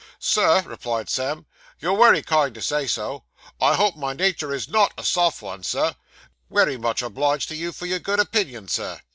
'Sir,' replied Sam, 'you're wery kind to say so. I hope my natur is _NOT _ a soft vun, Sir. Wery much obliged to you for your good opinion, Sir.